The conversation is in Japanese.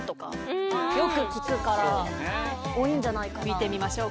見てみましょう。